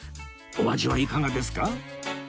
お味はいかがですか？